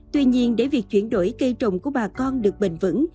tuy nhiên để việc chuyển đổi cây trồng của bà con được bền vững